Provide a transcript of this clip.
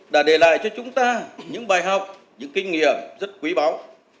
đã để lại cho chúng ta những bài học những kinh nghiệm rất quý báu